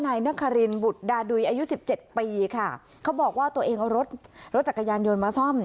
นายนครินบุตรดาดุยอายุสิบเจ็ดปีค่ะเขาบอกว่าตัวเองเอารถรถจักรยานยนต์มาซ่อม